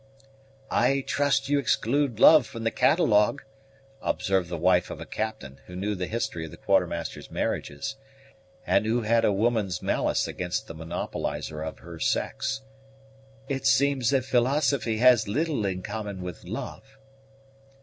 "I trust you exclude love from the catalogue," observed the wife of a captain who knew the history of the Quartermaster's marriages, and who had a woman's malice against the monopolizer of her sex; "it seems that philosophy has little in common with love."